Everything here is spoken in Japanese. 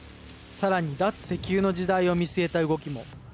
さらに脱石油の時代を見据えた動きも。